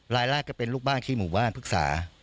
รายแรกก็เป็นลูกบ้านที่หมู่บ้านพฤกษา